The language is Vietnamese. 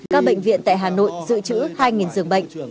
các bệnh viện tại hà nội dự trữ hai giường bệnh